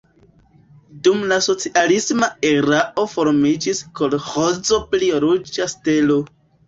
Dum la socialisma erao formiĝis kolĥozo pri Ruĝa Stelo.